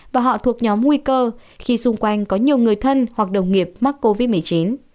và họ thuộc nhóm nguy cơ khi xung quanh có nhiều người thân hoặc đồng nghiệp mắc covid một mươi chín